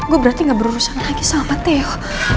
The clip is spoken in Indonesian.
gue berarti gak berurusan lagi sama pateo